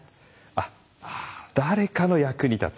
あっ「誰かの役に立つ」。